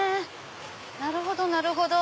なるほどなるほど。